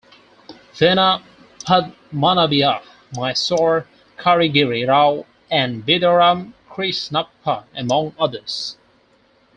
Veena Padmanabiah, Mysore Karigiri Rao and Bidaram Krishnappa among others.